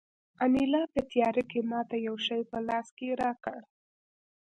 انیلا په تیاره کې ماته یو شی په لاس کې راکړ